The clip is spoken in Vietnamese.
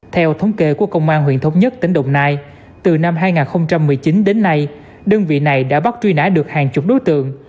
theo thống kê của công an huyện thống nhất tỉnh đồng nai từ năm hai nghìn một mươi chín đến nay đơn vị này đã bắt truy nã được hàng chục đối tượng